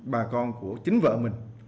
bà con của chính vợ mình